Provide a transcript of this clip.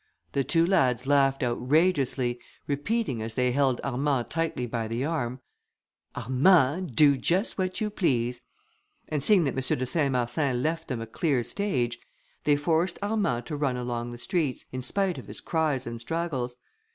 The two lads laughed outrageously, repeating, as they held Armand tightly by the arm, "Armand, do just what you please;" and seeing that M. de Saint Marsin left them a clear stage, they forced Armand to run along the streets, in spite of his cries and struggles.